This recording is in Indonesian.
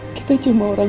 ali tak makin gak berenang